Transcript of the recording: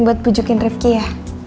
buat pujukin rivki ya